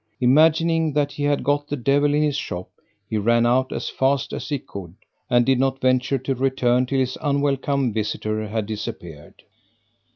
Imagining that he had got the devil in his shop, he ran out as fast as he could, and did not venture to return till his unwelcome visitor had disappeared.